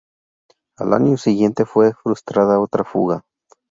Al año siguiente fue frustrada otra fuga.